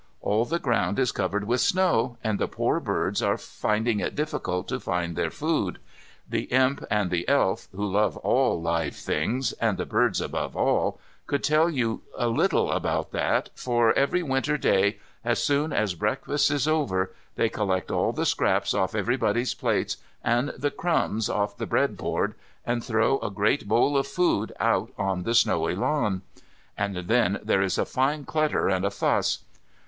All the ground is covered with snow, and the poor birds are finding it difficult to find their food. The Imp and the Elf, who love all live things, and the birds above all, could tell you a little about that, for every winter day, as soon as breakfast is over, they collect all the scraps off everybody's plates, and the crumbs off the bread board, and throw a great bowl of food out on the snowy lawn. And then there is a fine clutter and a fuss.